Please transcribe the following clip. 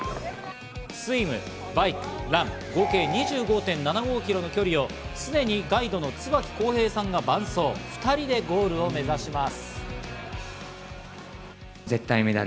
スイム、バイク、ラン、合計２５．７５ｋｍの距離を常にガイドの椿浩平さんが伴走、２人でゴールを目指します。